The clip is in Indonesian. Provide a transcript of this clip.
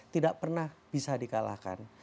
tidak pernah bisa di kalahkan